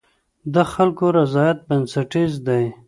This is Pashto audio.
د خلکو رضایت بنسټیز دی.